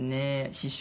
師匠。